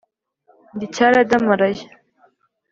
ndi cyaradamaraye.